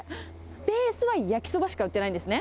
ベースは焼きそばしか売ってないんですね。